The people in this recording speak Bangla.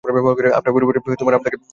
আপনার পরিবারের আপনাকে দরকার।